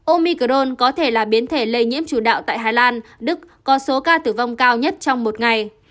omicrone có thể là biến thể lây nhiễm chủ đạo tại hà lan đức có số ca tử vong cao nhất trong một ngày